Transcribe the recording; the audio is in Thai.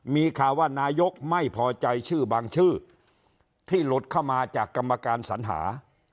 มีข่าวว่านายกไม่พอใจชื่อบางชื่อที่หลุดเข้ามาจากกรรมการสัญหา